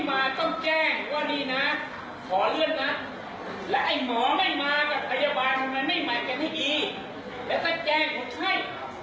แล้วก็แกล้งคนไข้